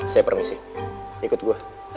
saya permisi ikut gue